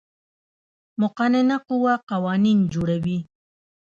مقننه قوه قوانین جوړوي